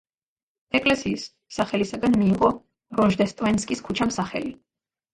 ეკლესიის სახელისაგან მიიღო როჟდესტვენსკის ქუჩამ სახელი.